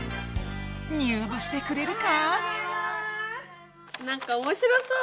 入部してくれるか？